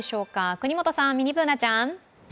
國本さん、ミニＢｏｏｎａちゃん。